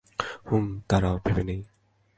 হুম, দাঁড়াও ভেবে নেই।